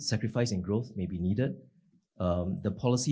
yang diperlukan untuk mengembangkan inflasi